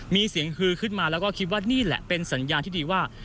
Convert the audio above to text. มีเสียงฮือขึ้นมาแล้วก็คิดว่านี่แหละเป็นสัญญาณที่ดีว่า